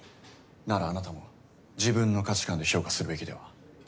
ならあなたも自分の価値観で評価すべきでは？